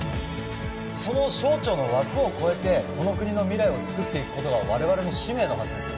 その省庁の枠を超えてこの国の未来をつくっていくことが我々の使命のはずですよ